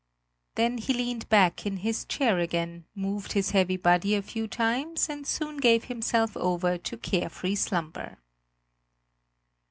Then he leaned back in his chair again, moved his heavy body a few times and soon gave himself over to care free slumber.